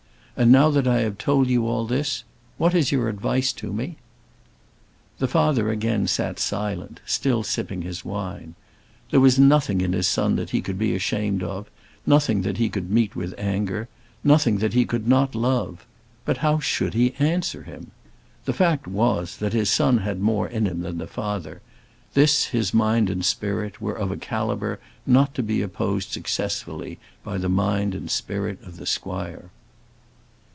And now that I have told you all this, what is your advice to me?" The father again sat silent, still sipping his wine. There was nothing in his son that he could be ashamed of, nothing that he could meet with anger, nothing that he could not love; but how should he answer him? The fact was, that the son had more in him than the father; this his mind and spirit were of a calibre not to be opposed successfully by the mind and spirit of the squire.